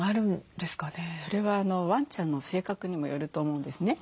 それはワンちゃんの性格にもよると思うんですね。